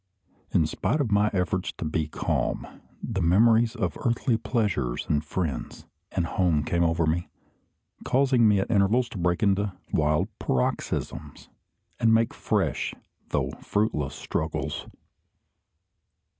In spite of my efforts to be calm, the memories of earthly pleasures, and friends, and home came over me, causing me at intervals to break into wild paroxysms, and make fresh, though fruitless, struggles.